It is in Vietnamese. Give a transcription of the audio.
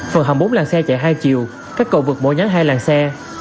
phần hầm bốn làng xe chạy hai chiều các cầu vượt bộ nhắn hai làng xe